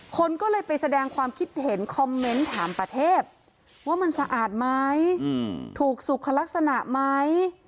คนก็เลยไปแสดงความคิดเห็นคอมเมนต์ถามประเทพว่ามันสะอาดไหมถูกสุขลักษณะไหม